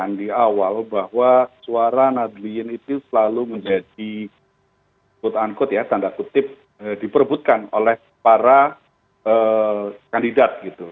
yang di awal bahwa suara nahdien itu selalu menjadi put an kut ya tanda kutip di perebutkan oleh para kandidat gitu